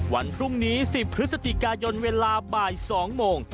วันพรุ่งนี้๑๐พฤศจิกายนเวลาบ่าย๒โมง